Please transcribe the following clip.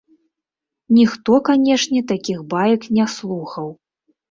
Ніхто, канечне, такіх баек не слухаў.